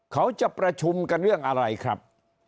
เขาจะประชุมกันเรื่องอะไรครับ